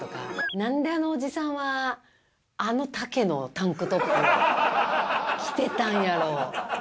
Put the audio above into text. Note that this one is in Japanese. なんであのおじさんは、あの丈のタンクトップ着てたんやろう。